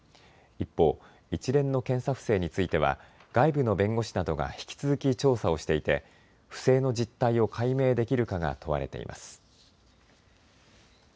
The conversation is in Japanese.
一方、一連の検査不正については外部の弁護士などが引き続き調査をしていて不正の実態を解明できるかが問われています。